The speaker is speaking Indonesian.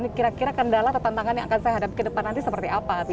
ini kira kira kendala atau tantangan yang akan saya hadapi ke depan nanti seperti apa